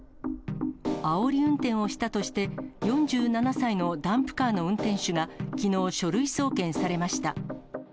あおり運転をしたとして、４７歳のダンプカーの運転手がきのう、書類送検されました。